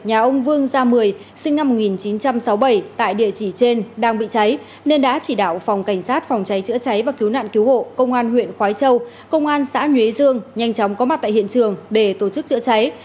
nhà ông vương gia mười sinh năm một nghìn chín trăm sáu mươi bảy tại địa chỉ trên đang bị cháy nên đã chỉ đạo phòng cảnh sát phòng cháy chữa cháy và cứu nạn cứu hộ công an huyện khói châu công an xã nhuế dương nhanh chóng có mặt tại hiện trường để tổ chức chữa cháy